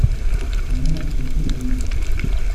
我沒有歧視的意思